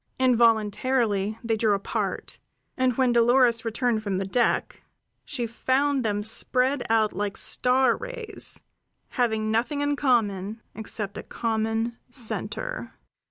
Involuntarily they drew apart; and when Dolores returned from the deck she found them spread out like star rays, having nothing in common except a common center.